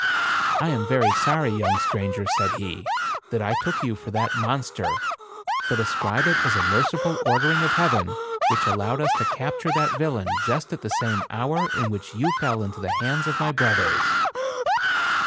"I am very sorry, young stranger," said he, " that I took you for that monster ; but ascribe it as a merci ful ordering of Heaven, which allowed us to capture that villain just at the same hour in which you fell into the hands of my brothers."